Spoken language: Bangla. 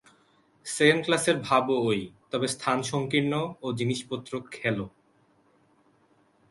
সেকেণ্ড ক্লাসের ভাবও ঐ, তবে স্থান সংকীর্ণ ও জিনিষপত্র খেলো।